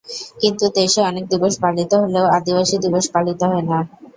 কিন্তু দেশে অনেক দিবস পালিত হলেও আদিবাসী দিবস পালিত হয় না।